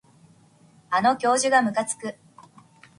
あの教授がむかつく